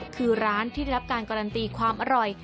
คือร้านที่ได้รับการการันตีความอร่อย